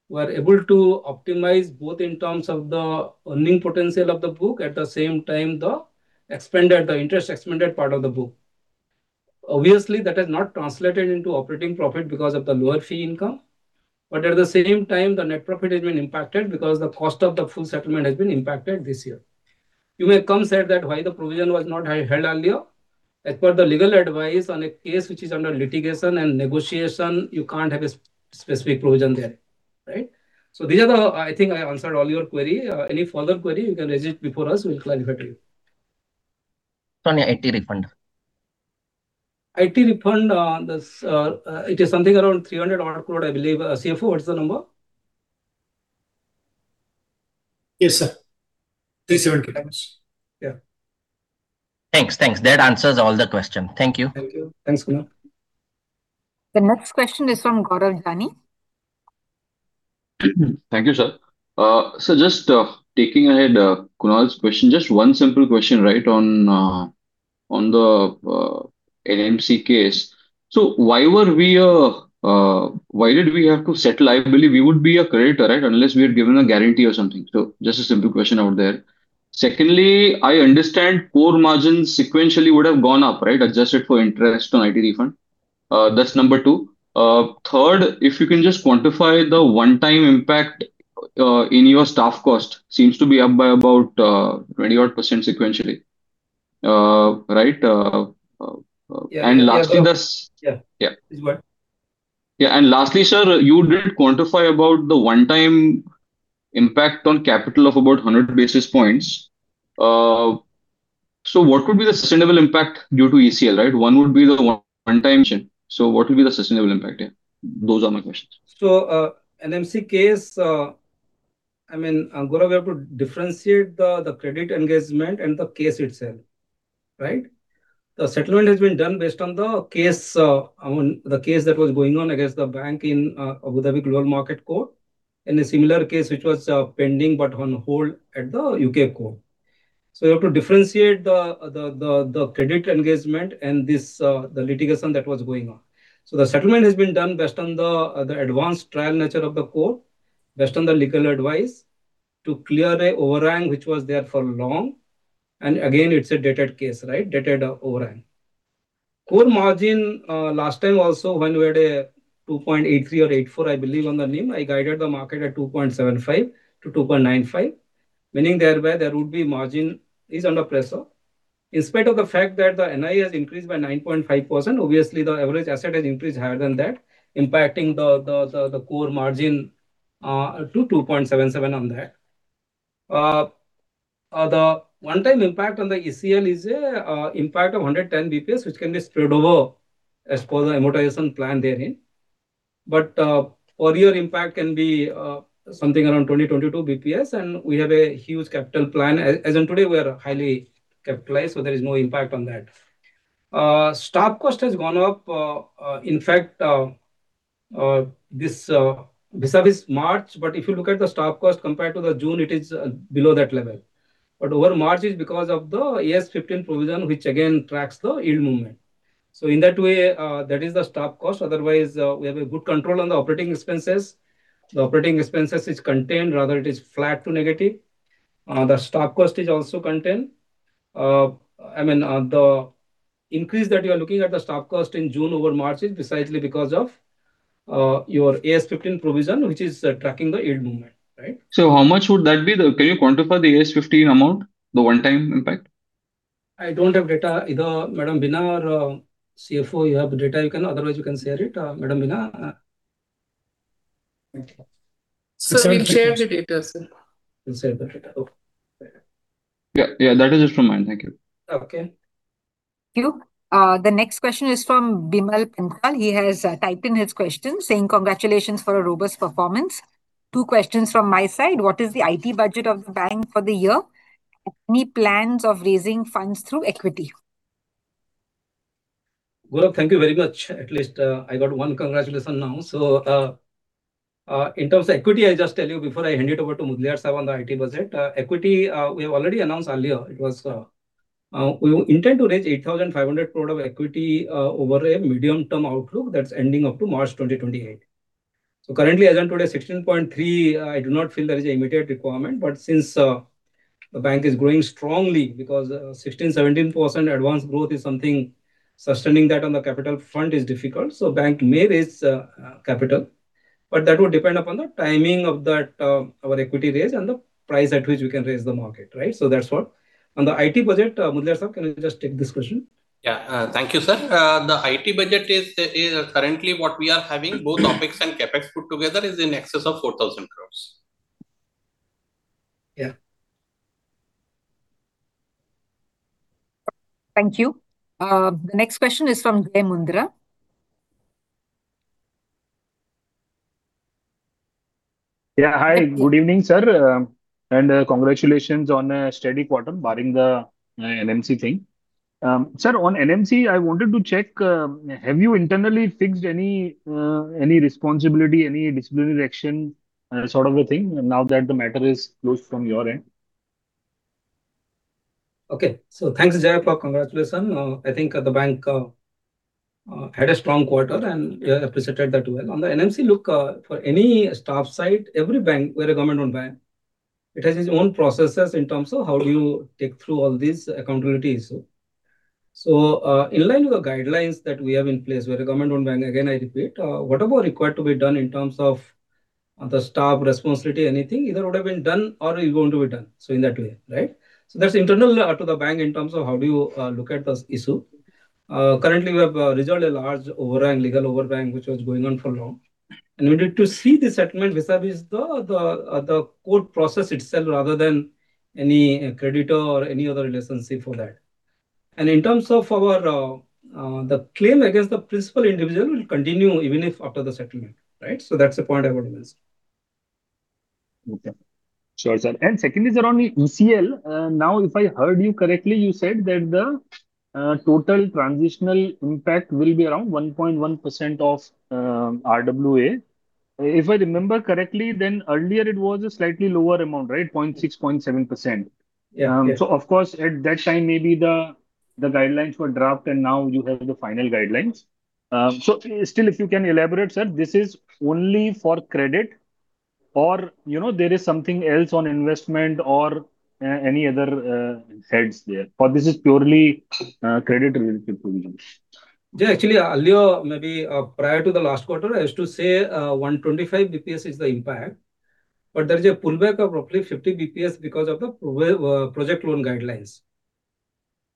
We're able to optimize both in terms of the earning potential of the book, at the same time, the interest expended part of the book. Obviously, that has not translated into operating profit because of the lower fee income. At the same time, the net profit has been impacted because the cost of the full settlement has been impacted this year. You may come say that why the provision was not held earlier. As per the legal advice on a case which is under litigation and negotiation, you can't have a specific provision there, right? I think I answered all your query. Any further query, you can raise it before us, we'll clarify to you. From your IT refund. IT refund, it is something around 300 odd crore, I believe. CFO, what is the number? Yes, sir. 370. Thanks. Yeah. Thanks. That answers all the question. Thank you. The next question is from Gaurav Jani. Thank you, sir. Sir, just taking ahead Kunal's question, just one simple question, right, on the NMC case. Why did we have to settle? I believe we would be a creditor, right? Unless we are given a guarantee or something. Just a simple question out there. Secondly, I understand core margins sequentially would have gone up, right? Adjusted for interest on IT refund. That's number 2. Third, if you can just quantify the one-time impact, in your staff cost. Seems to be up by about 20% sequentially. Right? Yeah. Yeah. Lastly, sir, you did quantify about the one-time impact on capital of about 100 basis points. What would be the sustainable impact due to ECL, right? One would be the one-time. What will be the sustainable impact? Yeah. Those are my questions. NMC case, Gaurav, we have to differentiate the credit engagement and the case itself, right? The settlement has been done based on the case that was going on against the bank in Abu Dhabi Global Market Court, and a similar case which was pending but on hold at the U.K. court. You have to differentiate the credit engagement and the litigation that was going on. The settlement has been done based on the advanced trial nature of the court, based on the legal advice to clear a overhang, which was there for long. Again, it's a dated case, right? Dated overhang. Core margin, last time also, when we had a 2.83% or 2.84%, I believe on the NIM, I guided the market at 2.75%-2.95%. Meaning thereby, there would be margin is under pressure. In spite of the fact that the NII has increased by 9.5%, obviously the average asset has increased higher than that, impacting the core margin to 2.77% on that. The one-time impact on the ECL is a impact of 110 basis points, which can be spread over as per the amortization plan therein. Full year impact can be something around 20-22 basis points, and we have a huge capital plan. As in today, we are highly capitalized, there is no impact on that. Staff cost has gone up. Vis-à-vis March, but if you look at the staff cost compared to the June, it is below that level. Over March is because of the AS 15 provision, which again tracks the yield movement. In that way, that is the staff cost. Otherwise, we have a good control on the operating expenses. The operating expenses is contained, rather it is flat to negative. The staff cost is also contained. The increase that you are looking at the staff cost in June over March is precisely because of your AS 15 provision, which is tracking the yield movement. Right? How much would that be though? Can you quantify the AS 15 amount, the one-time impact? I don't have data. Either Madam Beena or CFO, you have the data, you can. Otherwise, you can share it. Madam Beena? We'll share the data, sir. We'll share the data. Yeah. That is just from mine. Thank you. Okay. Thank you. The next question is from Bimal Panthal. He has typed in his question saying, congratulations for a robust performance. Two questions from my side. What is the IT budget of the bank for the year? Any plans of raising funds through equity? Good. Thank you very much. At least I got one congratulation now. In terms of equity, I just tell you before I hand it over to Mudaliar sir on the IT budget. Equity, we have already announced earlier. We intend to raise 8,500 crore of equity over a medium-term outlook that's ending up to March 2028. Currently, as on today, 16.3, I do not feel there is an immediate requirement. Since the bank is growing strongly because 16%-17% advance growth is something sustaining that on the capital front is difficult, bank may raise capital. That would depend upon the timing of our equity raise and the price at which we can raise the market. That's what. On the IT budget, Mudaliar sir, can you just take this question? Thank you, sir. The IT budget is currently what we are having, both OPEX and CapEx put together is in excess of 4,000 crore. Yeah. Thank you. The next question is from Jai Mundhra. Yeah. Hi. Good evening, sir, and congratulations on a steady quarter barring the NMC thing. Sir, on NMC, I wanted to check, have you internally fixed any responsibility, any disciplinary action sort of a thing now that the matter is closed from your end? Okay. Thanks, Jai, for congratulations. I think the bank had a strong quarter, and you appreciated that well. On the NMC, look, for any staff side, every bank, we're a government-owned bank. It has its own processes in terms of how do you take through all these accountability issue. In line with the guidelines that we have in place, we're a government-owned bank, again, I repeat, whatever required to be done in terms of the staff responsibility, anything, either would have been done or is going to be done. In that way. That's internal to the bank in terms of how do you look at this issue. Currently, we have resolved a large legal overhang, which was going on for long. We need to see the settlement vis-à-vis the court process itself rather than any creditor or any other relationship for that. In terms of our claim against the principal individual will continue even if after the settlement. That's the point I would raise. Okay. Sure, sir. Second is around ECL. Now, if I heard you correctly, you said that the total transitional impact will be around 1.1% of RWA. If I remember correctly, then earlier it was a slightly lower amount, right? 0.6%, 0.7%. Yeah. Of course, at that time, maybe the guidelines were drafted, now you have the final guidelines. Still, if you can elaborate, sir, this is only for credit or there is something else on investment or any other heads there, or this is purely credit-related provision? Actually, earlier, maybe prior to the last quarter, I used to say 125 basis points is the impact, but there is a pullback of roughly 50 basis points because of the project loan guidelines.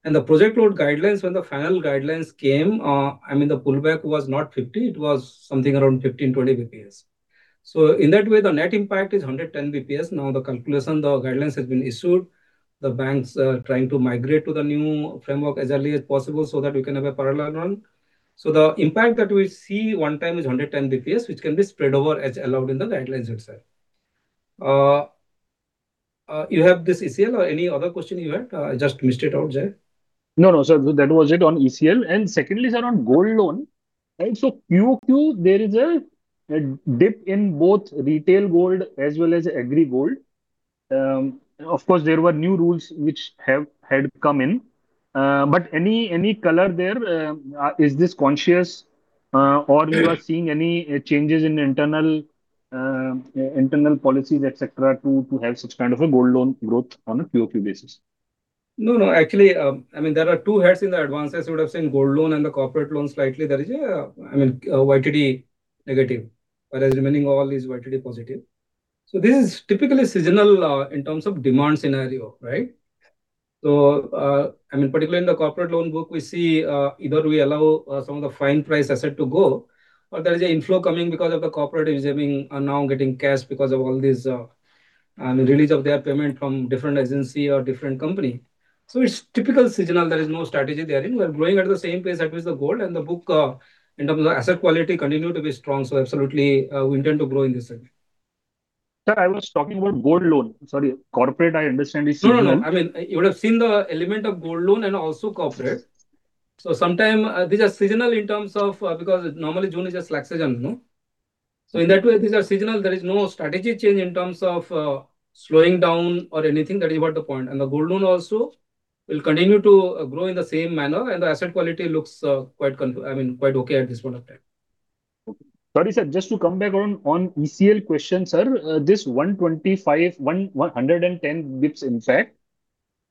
The project loan guidelines, when the final guidelines came, the pullback was not 50, it was something around 15, 20 basis points. In that way, the net impact is 110 basis points. Now the calculation, the guidelines has been issued. The banks are trying to migrate to the new framework as early as possible so that we can have a parallel run. The impact that we see one time is 110 basis points, which can be spread over as allowed in the guidelines itself. You have this ECL or any other question you had? I just missed it out, Jai. No, sir, that was it on ECL. Secondly, sir, on gold loan. QOQ, there is a dip in both retail gold as well as agri gold. Of course, there were new rules which had come in. Any color there? Is this conscious or you are seeing any changes in internal policies, et cetera, to have such kind of a gold loan growth on a QoQ basis? No. Actually, there are two heads in the advances. You would have seen gold loan and the corporate loan slightly, there is a YTD negative, whereas remaining all is YTD positive. This is typically seasonal in terms of demand scenario, right? Particularly in the corporate loan book, we see either we allow some of the fine price asset to go, or there is an inflow coming because of the corporate is now getting cash because of all this release of their payment from different agency or different company. It's typical seasonal. There is no strategy there. We are growing at the same pace as the gold and the book in terms of asset quality continue to be strong. Absolutely, we intend to grow in this segment. Sir, I was talking about gold loan. Sorry. Corporate, I understand. I mean, you would have seen the element of gold loan and also corporate. Sometime these are seasonal because normally June is a slack season. In that way, these are seasonal. There is no strategy change in terms of slowing down or anything. That is what the point. The gold loan also will continue to grow in the same manner, and the asset quality looks quite okay at this point of time. Sorry, sir, just to come back on ECL question, sir. This 110 basis points, in fact,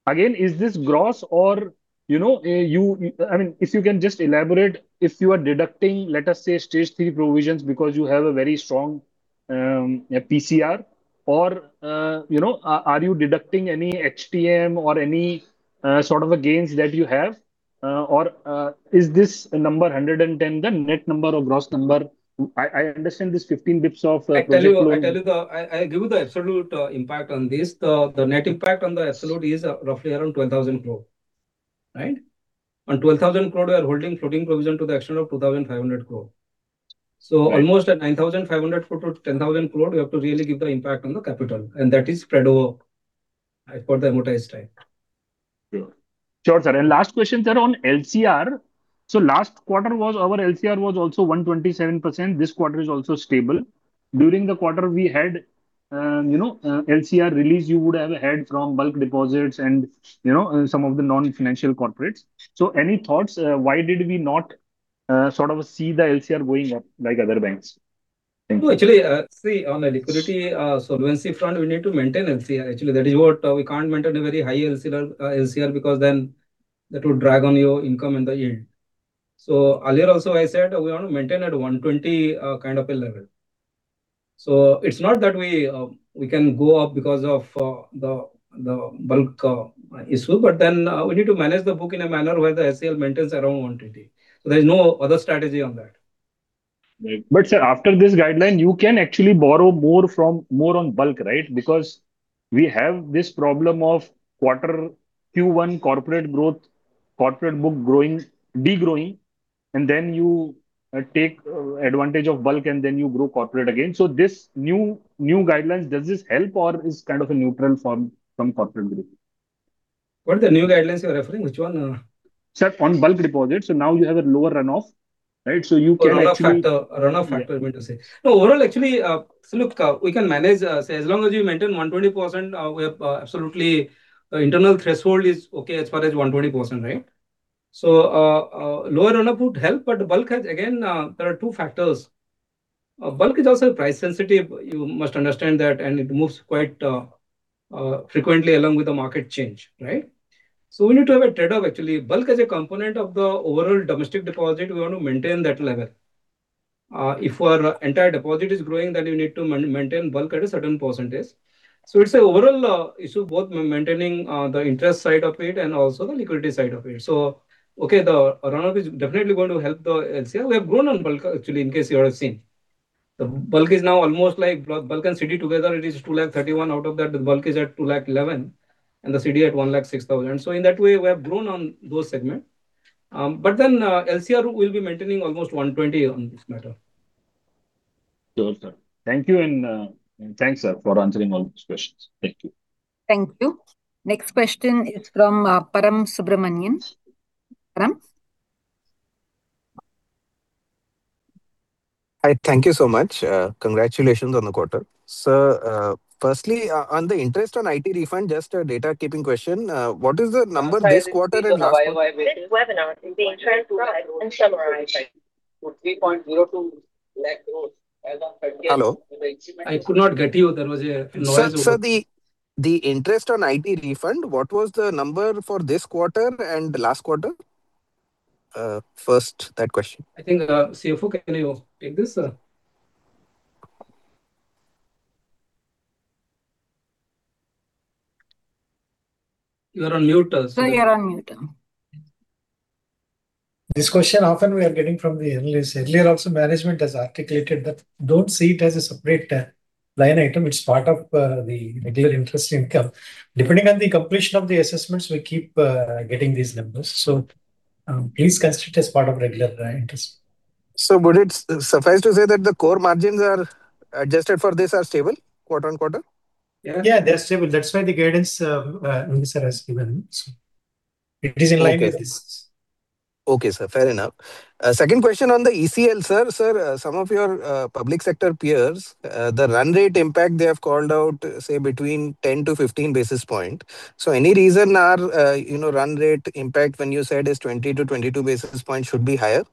again, is this gross or if you can just elaborate, if you are deducting, let us say, stage 3 provisions because you have a very strong PCR or are you deducting any HTM or any sort of gains that you have? Is this number 110 the net number or gross number? I understand this 15 basis points of. I tell you the absolute impact on this. The net impact on the absolute is roughly around 12,000 crore. Right? On 12,000 crore, we are holding floating provision to the extent of 2,500 crore. Almost at 9,500 crore to 10,000 crore, we have to really give the impact on the capital, that is spread over for the amortized time. Sure. Sure, sir. Last question, sir, on LCR. Last quarter our LCR was also 127%. This quarter is also stable. During the quarter we had LCR release, you would have had from bulk deposits and some of the non-financial corporates. Any thoughts why did we not see the LCR going up like other banks? Thank you. No, actually, on the liquidity solvency front, we need to maintain LCR, actually. That is what we can't maintain a very high LCR, because then that would drag on your income and the yield. Earlier also, I said we want to maintain at 120 kind of a level. It's not that we can go up because of the bulk issue. We need to manage the book in a manner where the LCR maintains around 120. There's no other strategy on that. Right. Sir, after this guideline, you can actually borrow more on bulk, right? We have this problem of Q1 corporate book degrowing, you take advantage of bulk, you grow corporate again. This new guidelines, does this help or is kind of a neutral from corporate degrowth? What are the new guidelines you're referring? Which one? Sir, on bulk deposits. Now you have a lower run-off, right? Run-off factor, I meant to say. Overall, actually, look, we can manage. As long as you maintain 120%, absolutely internal threshold is okay as far as 120%, right? Lower run-off would help, bulk has, again, there are two factors. Bulk is also price sensitive. You must understand that, and it moves quite frequently along with the market change, right? We need to have a trade-off, actually. Bulk is a component of the overall domestic deposit. We want to maintain that level. If our entire deposit is growing, you need to maintain bulk at a certain percentage. It's a overall issue, both maintaining the interest side of it and also the liquidity side of it. Okay, the run-off is definitely going to help the LCR. We have grown on bulk, actually, in case you have seen. The bulk and CD together, it is 2.31 lakh. Out of that, the bulk is at 2.11 lakh and the CD at 1.06 lakh. In that way, we have grown on those segments. LCR, we'll be maintaining almost 120% on this matter. Sure, sir. Thank you, and thanks, sir, for answering all these questions. Thank you. Thank you. Next question is from Param Subramanian. Param? Hi. Thank you so much. Congratulations on the quarter. Sir, firstly, on the interest on IT refund, just a data keeping question. What is the number this quarter and last- I could not get you. There was a noise. Sir, the interest on IT refund, what was the number for this quarter and last quarter? First, that question. I think CFO, can you take this? You are on mute, sir. Sir, you're on mute. This question often we are getting from the analysts. Earlier also, management has articulated that don't see it as a separate line item. It's part of the regular interest income. Depending on the completion of the assessments, we keep getting these numbers. Please consider it as part of regular interest. Would it suffice to say that the core margins adjusted for this are stable quarter-on-quarter? Yeah, they're stable. That's why the guidance, sir, has given. It is in line with this. Okay, sir. Fair enough. Second question on the ECL, sir. Sir, some of your public sector peers, the run rate impact, they have called out, say, between 10 to 15 basis points. Any reason our run rate impact, when you said is 20 to 22 basis points should be higher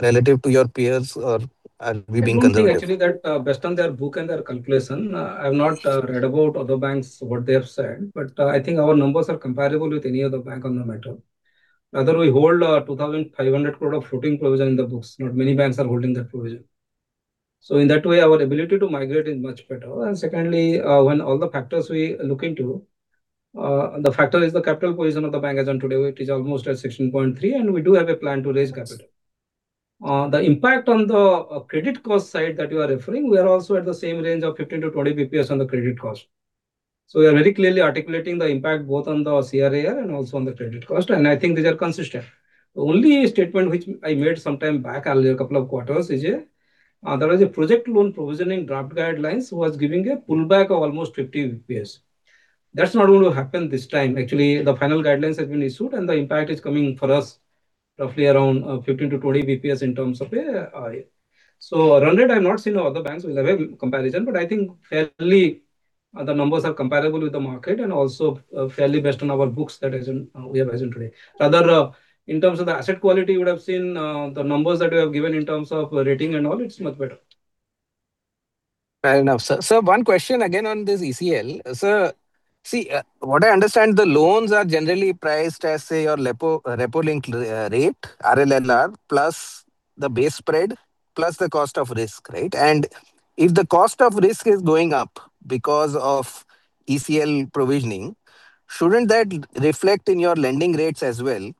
relative to your peers, or are we being conservative? I don't think, actually, that based on their book and their calculation. I've not read about other banks, what they have said. I think our numbers are comparable with any other bank on the matter. Rather, we hold 2,500 crore of floating provision in the books. Not many banks are holding that provision. In that way, our ability to migrate is much better. Secondly, when all the factors we look into, the factor is the capital position of the bank as on today, which is almost at 16.3%, and we do have a plan to raise capital. The impact on the credit cost side that you are referring, we are also at the same range of 15 to 20 basis points on the credit cost. We are very clearly articulating the impact both on the CRAR and also on the credit cost, I think these are consistent. Only statement which I made some time back, earlier, a couple of quarters is, there was a project loan provisioning draft guidelines was giving a pullback of almost 50 basis points. That's not going to happen this time. Actually, the final guidelines have been issued, the impact is coming for us roughly around 15 to 20 basis points in terms of it. Run rate, I've not seen how other banks will have a comparison, I think fairly, the numbers are comparable with the market and also fairly based on our books that we have as on today. Rather, in terms of the asset quality, you would have seen the numbers that we have given in terms of rating and all, it's much better. Fair enough, sir. Sir, one question again on this ECL. Sir, see, what I understand, the loans are generally priced as, say, your repo-linked rate, RLLR, plus the base spread, plus the cost of risk, right? If the cost of risk is going up because of ECL provisioning, shouldn't that reflect in your lending rates as well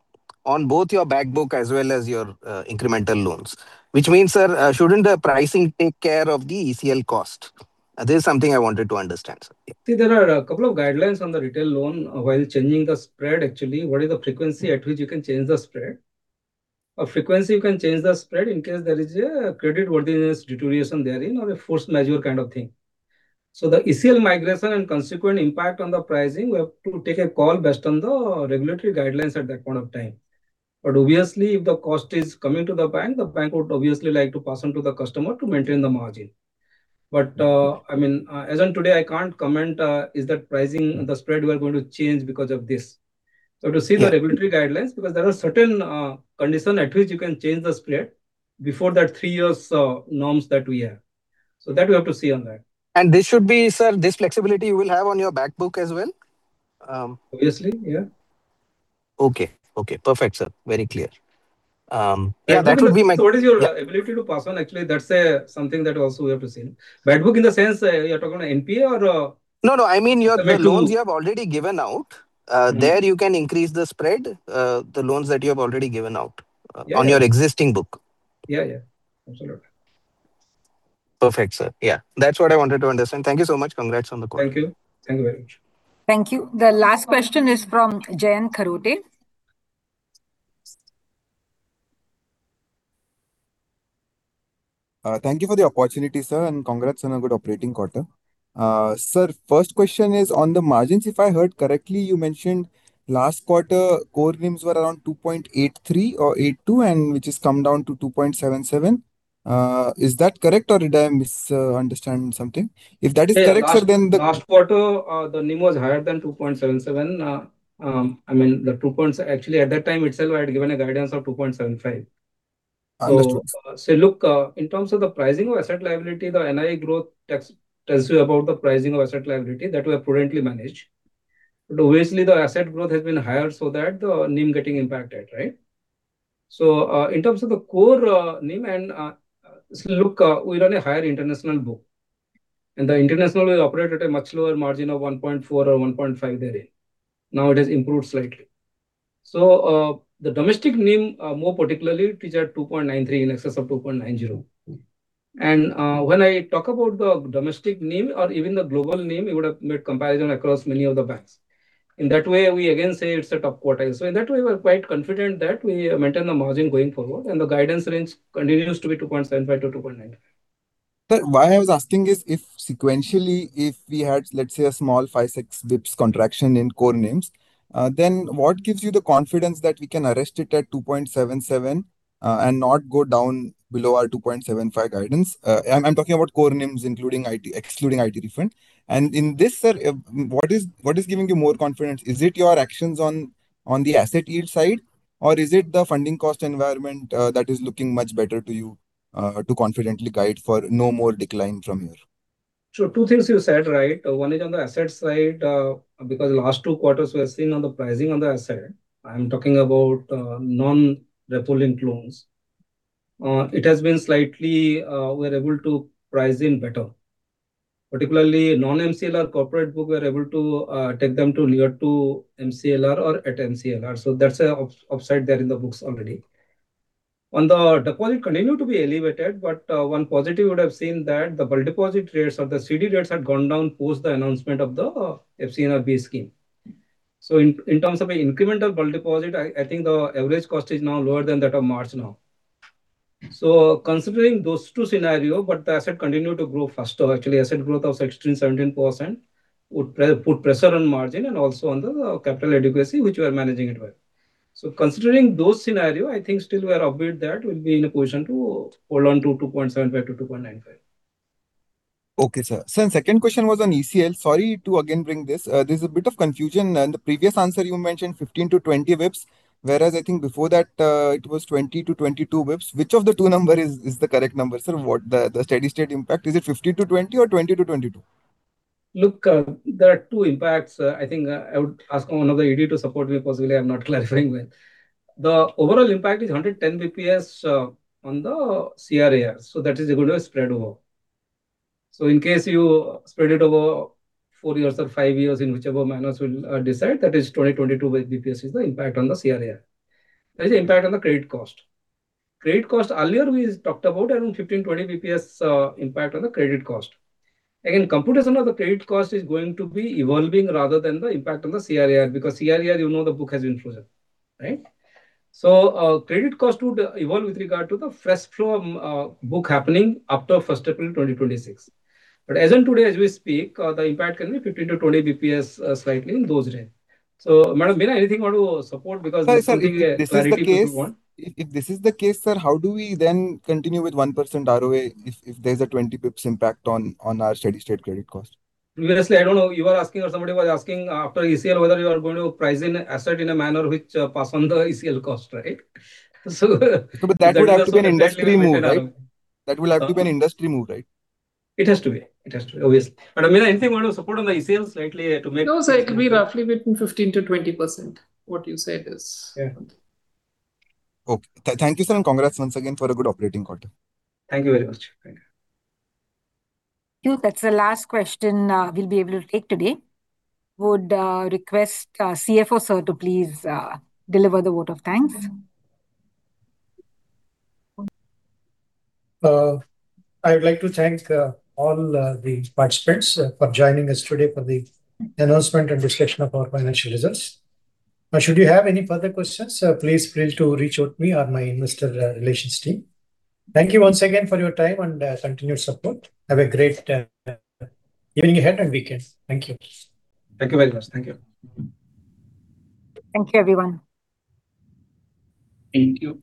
on both your back book as well as your incremental loans? Which means, sir, shouldn't the pricing take care of the ECL cost? This is something I wanted to understand, sir. See, there are a couple of guidelines on the retail loan while changing the spread, actually, what is the frequency at which you can change the spread. A frequency you can change the spread in case there is a credit worthiness deterioration therein or a force majeure kind of thing. The ECL migration and consequent impact on the pricing, we have to take a call based on the regulatory guidelines at that point of time. Obviously, if the cost is coming to the bank, the bank would obviously like to pass on to the customer to maintain the margin. I mean, as on today, I can't comment, is that pricing the spread we are going to change because of this. To see the regulatory guidelines, because there are certain conditions at which you can change the spread before that three years norms that we have. That we have to see on that. This should be, sir, this flexibility you will have on your back book as well? Obviously, yeah. Okay. Okay, perfect, sir. Very clear. What is your ability to pass on? Actually, that's something that also we have to see. Back book in the sense you're talking on NPA? No, no. I mean. The back book The loans you have already given out. There you can increase the spread, the loans that you have already given out. Yeah, yeah. On your existing book. Yeah, yeah. Absolutely. Perfect, sir. Yeah. That's what I wanted to understand. Thank you so much. Congrats on the call. Thank you. Thank you. The last question is from Jayant Kharote. Thank you for the opportunity, sir, congrats on a good operating quarter. Sir, first question is on the margins. If I heard correctly, you mentioned last quarter core NIMs were around 2.83% or 2.82%, which has come down to 2.77%. Is that correct, did I misunderstand something? If that is correct, sir, the- Last quarter, the NIM was higher than 2.77%. I mean, actually, at that time itself, I had given a guidance of 2.75%. Understood. Look, in terms of the pricing of asset liability, the NII growth tells you about the pricing of asset liability that we have prudently managed. Obviously the asset growth has been higher so that the NIM getting impacted, right? Look, we run a higher international book, and the international will operate at a much lower margin of 1.4% or 1.5% therein. Now it has improved slightly. The domestic NIM, more particularly, it is at 2.93%, in excess of 2.90%. When I talk about the domestic NIM or even the global NIM, it would have made comparison across many of the banks. In that way, we again say it's a top quartile. In that way, we're quite confident that we maintain the margin going forward, and the guidance range continues to be 2.75%-2.95%. Why I was asking is if sequentially, if we had, let's say, a small 5-6 basis points contraction in core NIMs, then what gives you the confidence that we can arrest it at 2.77%, and not go down below our 2.75% guidance? I'm talking about core NIMs excluding IT refund. In this, sir, what is giving you more confidence? Is it your actions on the asset yield side, or is it the funding cost environment that is looking much better to you, to confidently guide for no more decline from here? Two things you said, right? One is on the asset side, because last two quarters we have seen on the pricing on the asset. I'm talking about non-repo linked loans. It has been slightly, we're able to price in better. Particularly non-MCLR corporate book, we're able to take them to near to MCLR or at MCLR, so that's a upside there in the books already. On the deposit, continue to be elevated, but, one positive you would have seen that the bulk deposit rates or the CD rates had gone down post the announcement of the FCNRB scheme. In terms of incremental bulk deposit, I think the average cost is now lower than that of March now. Considering those two scenario, but the asset continue to grow faster, actually asset growth of 16%-17% would put pressure on margin and also on the capital adequacy, which we are managing it well. Considering those scenario, I think still we are upbeat that we'll be in a position to hold on to 2.75%-2.95%. Okay, sir. Second question was on ECL. Sorry to again bring this. There is a bit of confusion. In the previous answer you mentioned 15-20 basis points, whereas I think before that, it was 20-22 basis points. Which of the two number is the correct number, sir? What the steady state impact, is it 15-20 or 20-22? Look, there are two impacts. I think I would ask one of the ED to support me, possibly I am not clarifying well. The overall impact is 110 basis points on the CRAR, that is going to be spread over. In case you spread it over four years or five years, in whichever manners we will decide, that is 20-22 basis points is the impact on the CRAR. There is impact on the credit cost. Credit cost, earlier we talked about around 15-20 basis points impact on the credit cost. Computation of the credit cost is going to be evolving rather than the impact on the CRAR, because CRAR, you know the book has been frozen. Right? Credit cost would evolve with regard to the fresh flow of book happening after 1st April 2026. As in today, as we speak, the impact can be 15-20 basis points, slightly in those range. Madam Beena, anything you want to support? This could be a clarity people want. If this is the case, how do we continue with 1% ROA if there is a 20 basis points impact on our steady state credit cost? Previously, I don't know, you were asking or somebody was asking, after ECL whether you are going to price asset in a manner which pass on the ECL cost, right? That would have to be an industry move, right? That will have to be an industry move, right? It has to be. It has to be, obviously. Madam Beena, anything you want to support on the ECL slightly? No, sir. It will be roughly between 15%-20%, what you said is. Yeah. Okay. Thank you, sir, and congrats once again for a good operating quarter. Thank you very much. That's the last question we'll be able to take today. Would request CFO, sir, to please deliver the vote of thanks. I would like to thank all the participants for joining us today for the announcement and discussion of our financial results. Should you have any further questions, please feel to reach out to me or my Investor Relations team. Thank you once again for your time and continued support. Have a great evening ahead and weekend. Thank you. Thank you very much. Thank you. Thank you, everyone.